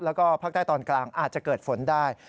แล้วก็ภาคใต้ตอนกลางอาจจะเกิดฝนได้